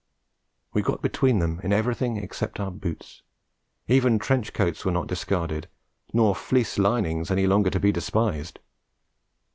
We got between them in everything except our boots; even trench coats were not discarded, nor fleece linings any longer to be despised.